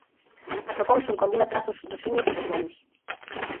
O procónsul combina trazos dos simios e dos monos.